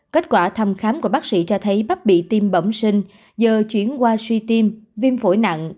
kết quả thăm khám của bác sĩ cho thấy bắp bị tim bẩm sinh giờ chuyển qua suy tim viêm phổi nặng